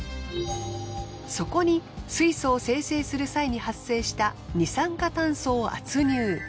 そこに水素を生成する際に発生した二酸化炭素を圧入。